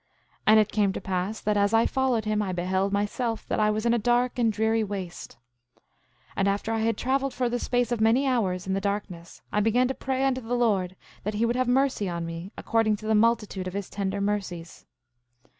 8:7 And it came to pass that as I followed him I beheld myself that I was in a dark and dreary waste. 8:8 And after I had traveled for the space of many hours in darkness, I began to pray unto the Lord that he would have mercy on me, according to the multitude of his tender mercies.